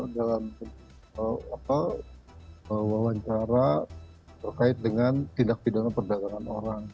dalam wawancara terkait dengan tindak pidana perdagangan orang